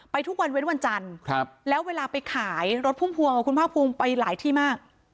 ทุกวันเว้นวันจันทร์แล้วเวลาไปขายรถพุ่มพวงของคุณภาคภูมิไปหลายที่มาก